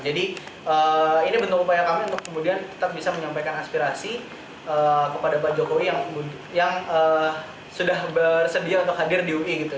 jadi ini bentuk upaya kami untuk kemudian kita bisa menyampaikan aspirasi kepada pak jokowi yang sudah bersedia untuk hadir di ui gitu